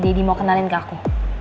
deddy mau kenalin ke aku